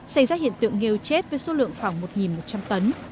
xảy ra hiện tượng nghêu chết với số lượng khoảng một một trăm linh tấn